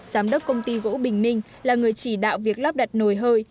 giám đốc công ty gỗ bình minh là người chỉ đạo việc lắp đặt nồi hơi